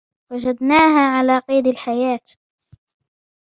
وجدناها على قيد الحياة.